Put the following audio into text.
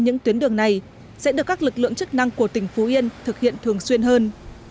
những tuyến đường này sẽ được các lực lượng chức năng của tỉnh phú yên thực hiện thường xuyên hơn